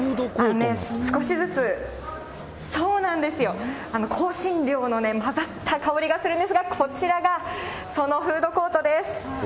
少しずつ、そうなんですよ、香辛料の混ざった香りがするんですが、こちらが、そのフードコートです。